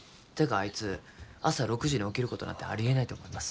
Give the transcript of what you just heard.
あいつ朝６時に起きることなんてありえないと思います